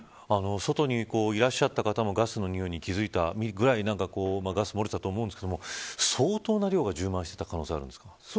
外にいらっしゃった方もガスの臭いに気付いたぐらいガスが漏れていたと思うんですけど相当な量が充満していた可能性があるんですか。